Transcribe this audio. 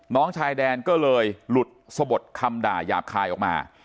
น้องชายแดนก็เลยหลุดสะบดคำด่าหยาบคายออกมา